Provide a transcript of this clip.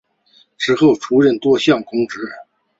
之后出任多项公职。